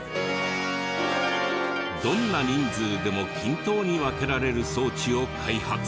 どんな人数でも均等に分けられる装置を開発。